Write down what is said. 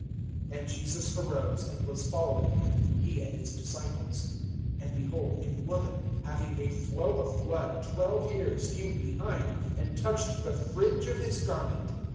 (19)And Jesus arose and was following him, he and his disciples. (20)And behold, a woman, having a flow of blood twelve years, came behind, and touched the fringe of his garment.